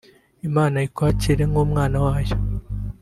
Imana ikwakira nk’umwana wayo